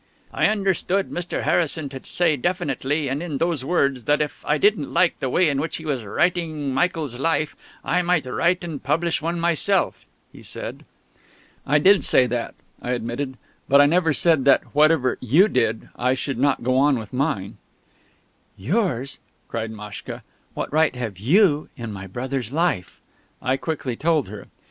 "I understood Mr. Harrison to say definitely, and in those words, that if I didn't like the way in which he was writing Michael's 'Life,' I might write and publish one myself," he said. "I did say that," I admitted; "but I never said that whatever you did I should not go on with mine." "Yours!" cried Maschka. "What right have you in my brother's 'Life'?" I quickly told her.